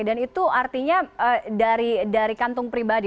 dan itu artinya dari kantung pribadi